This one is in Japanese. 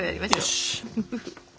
よし！